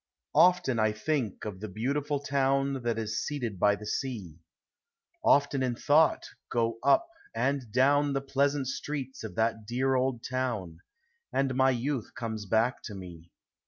Oftkn I think of the beautiful town That is seated by the sea ; Often in thought go up and down The pleasant streets of that dear old town, And my youth comes back to me.